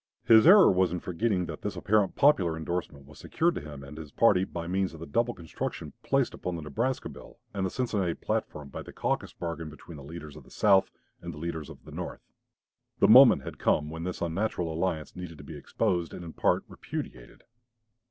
His error was in forgetting that this apparent popular indorsement was secured to him and his party by means of the double construction placed upon the Nebraska bill and the Cincinnati platform, by the caucus bargain between the leaders of the South and the leaders of the North. The moment had come when this unnatural alliance needed to be exposed and in part repudiated.